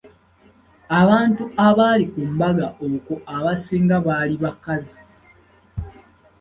Abantu abaali ku mbaga okwo abasinga baali bakazi.